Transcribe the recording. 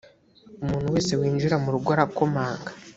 umuntu wese winjira mu rugo arakomanga.